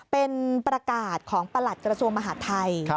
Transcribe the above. เป็นประกาศของประหลัดกระทรวงมหาดไทย